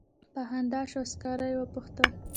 په خندا شو او سکاره یې وپوښتل.